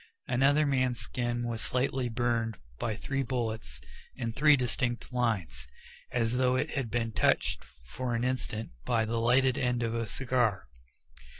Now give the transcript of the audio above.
Another man's skin was slightly burned by three bullets in three distinct lines, as though it had been touched for an instant by the lighted end of a cigar.